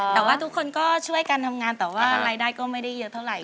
แต่ว่าทุกคนก็ช่วยกันทำงานแต่ว่ารายได้ก็ไม่ได้เยอะเท่าไหร